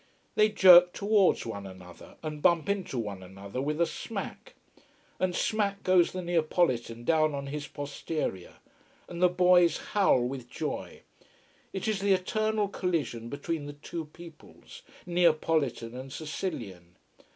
They jerk towards one another and bump into one another with a smack. And smack goes the Neapolitan, down on his posterior. And the boys howl with joy. It is the eternal collision between the two peoples, Neapolitan and Sicilian.